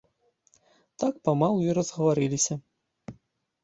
Так памалу й разгаварыліся.